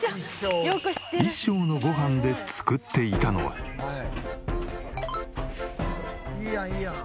１升のごはんで作っていたのは。いいやんいいやん。